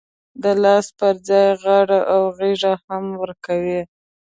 د لاس پر ځای غاړه او غېږ هم ورکوي.